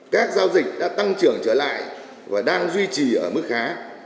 các giao dịch đã tăng trưởng trở lại và đang duy trì ở mức khá